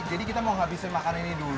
oke kita mau habisin makan ini dulu